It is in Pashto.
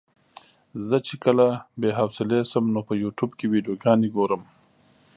زه چې کله بې حوصلې شم نو په يوټيوب کې ويډيوګانې ګورم.